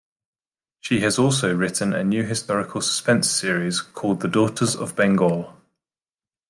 She has also written a new historical suspense series called The Daughters of Bengal.